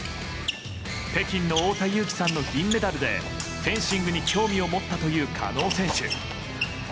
北京の太田雄貴さんの銀メダルでフェンシングに興味を持ったという加納選手。